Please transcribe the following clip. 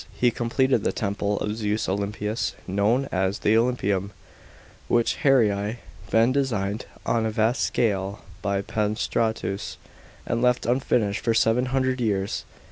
He completed the temple of Zeus Olympius, known as the Olympieum, which hari been designed on a vast scale by Pisis tratus and left unfinished for seven hundred years.